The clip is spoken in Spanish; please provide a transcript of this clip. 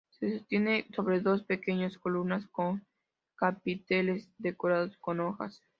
Se sostiene sobre dos pequeñas columnas, con capiteles decoradas con hojas.